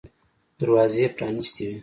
دروازې پرانیستې وې.